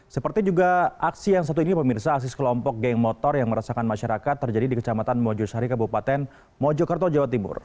seperti juga aksi yang satu ini pemirsa aksi sekelompok geng motor yang meresahkan masyarakat terjadi di kecamatan mojosari kabupaten mojokerto jawa timur